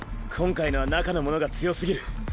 今回のは中のものが強すぎる。